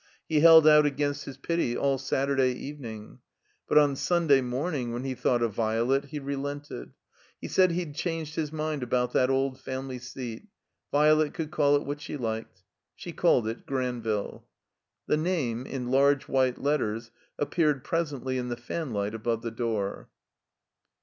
He held out against his pity all Saturday evening. But on Simday morning, when he thought of Violet, he relented. He said he'd changed his mind about that old family seat. Violet could call it what she liked. She called it Granville. The name, in large white letters, appeared pres ently in the fanlight above the door.